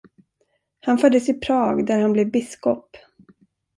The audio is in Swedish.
Han föddes i Prag, där han blev biskop.